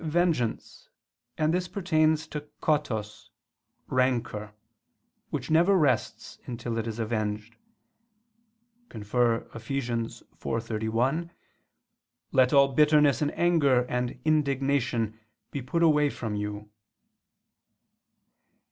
vengeance; and this pertains to kotos (rancor) which never rests until it is avenged [*Eph. 4:31: "Let all bitterness and anger and indignation ... be put away from you."